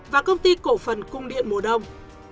và công ty cổ phần cung điện mùa đông